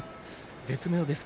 絶妙ですか。